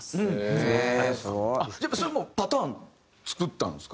やっぱりそれはもうパターン作ったんですか？